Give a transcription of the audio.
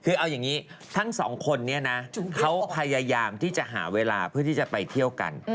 คือเอาอย่างนี้ทั้งสองคนนี้นะเขาพยายามที่จะหาเวลาเพื่อที่จะไปเที่ยวกัน